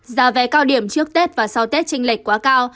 giá vé cao điểm trước tết và sau tết trinh lệch quá cao